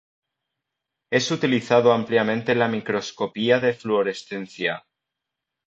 Es utilizado ampliamente en la microscopía de fluorescencia.